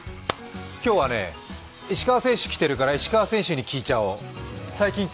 今日はね、石川選手、来てるから石川選手に聞いちゃおう。